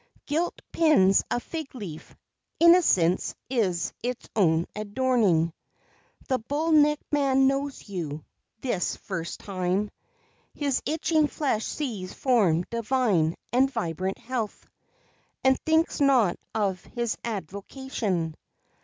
Guilt pins a fig leaf; Innocence is its own adorning. The bull necked man knows you this first time His itching flesh sees form divine and vibrant health And thinks not of his avocation.